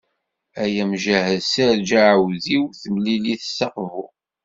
Ay amjahed serǧ i uɛudiw, timlilit s Aqbu.